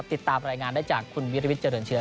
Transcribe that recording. ติดตามรายงานได้จากคุณวิริวิทยเจริญเชื้อ